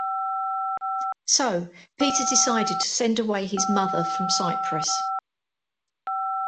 So, Peter decided to send away his mother from Cyprus.